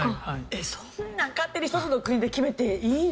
えっそんなん勝手に１つの国で決めていいの？